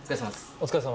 お疲れさま。